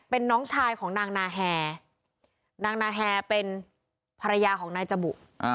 เป็นน้องชายของนางนาแฮนางนาแฮเป็นภรรยาของนายจบุ